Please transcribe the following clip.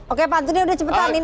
oke pak anies udah cepetanin